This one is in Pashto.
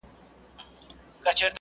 له مځكي ورك سو